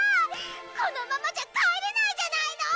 このままじゃ帰れないじゃないの！